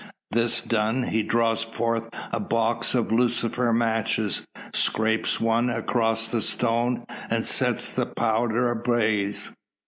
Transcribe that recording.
This done, he draws forth a box of lucifer matches; scrapes one across the stone, and sets the powder ablaze.